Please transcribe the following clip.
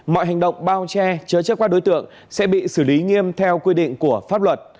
mọi hành động bao che chớ chất qua đối tượng sẽ bị xử lý nghiêm theo quy định của pháp luật